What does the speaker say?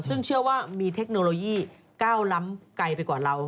ซึ่งเชื่อว่ามีเทคโนโลยีก้าวล้ำไกลไปกว่าเรา